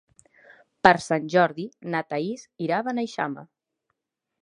Per Sant Jordi na Thaís irà a Beneixama.